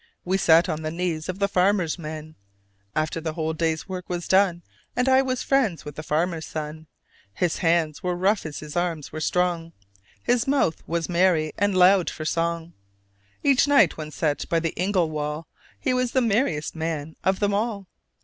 We sat on the knees of the farmer's men After the whole day's work was done: And I was friends with the farmer's son. His hands were rough as his arms were strong, His mouth was merry and loud for song; Each night when set by the ingle wall He was the merriest man of them all.